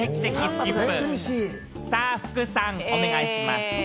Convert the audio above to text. さあ福さん、お願いします。